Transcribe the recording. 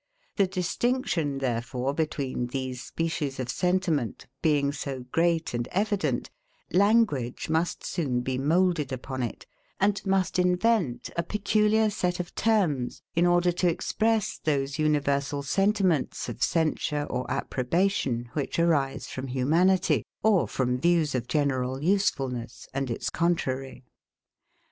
The distinction, therefore, between these species of sentiment being so great and evident, language must soon be moulded upon it, and must invent a peculiar set of terms, in order to express those universal sentiments of censure or approbation, which arise from humanity, or from views of general usefulness and its contrary.